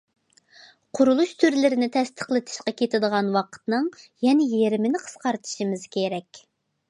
قۇرۇلۇش تۈرلىرىنى تەستىقلىتىشقا كېتىدىغان ۋاقىتنىڭ يەنە يېرىمىنى قىسقارتىشىمىز كېرەك.